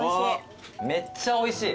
めっちゃおいしい。